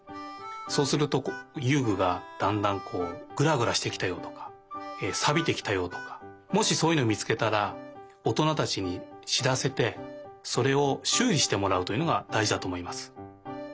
そうすると遊具がだんだんグラグラしてきたよとかさびてきたよとかもしそういうのを見つけたらおとなたちにしらせてそれをしゅうりしてもらうというのがだいじだとおもいます。